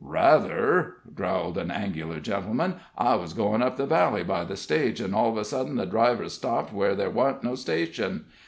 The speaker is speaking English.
"Rather," drawled an angular gentleman. "I was goin' up the valley by the stage, an' all of a sudden the driver stopped where there wasn't no station.